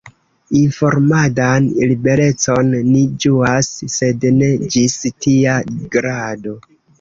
Informadan liberecon ni ĝuas, sed ne ĝis tia grado.